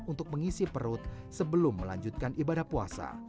untuk mengisi perut sebelum melanjutkan ibadah puasa